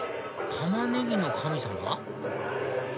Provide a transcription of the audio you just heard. タマネギの神様？